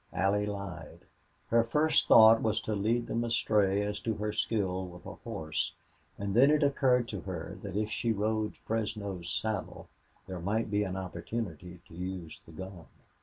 Allie lied. Her first thought was to lead them astray as to her skill with a horse; and then it occurred to her that if she rode Fresno's saddle there might be an opportunity to use the gun.